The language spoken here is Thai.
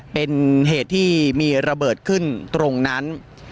เป็นเหตุที่มีระเบิดขึ้นตรงนั้น